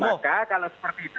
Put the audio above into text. maka kalau seperti itu